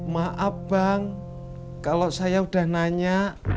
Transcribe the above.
maaf bang kalau saya sudah nanya